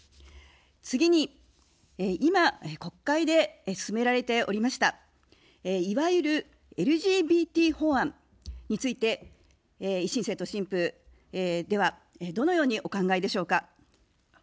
次に今国会で進められておりました、いわゆるＬＧＢＴ法案について、維新政党・新風では、どのようにお考えでしょうか。